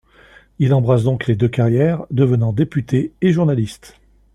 Il embrasse donc les deux carrières, devenant député et journaliste.